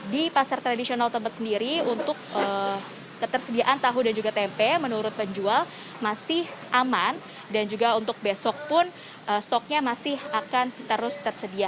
di pasar tradisional tempat sendiri untuk ketersediaan tahu dan juga tempe menurut penjual masih aman dan juga untuk besok pun stoknya masih akan terus tersedia